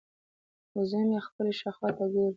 وزه مې خپلې شاوخوا ته ګوري.